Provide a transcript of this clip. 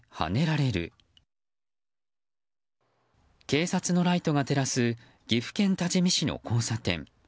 警察のライトが照らす岐阜県多治見市の交差点。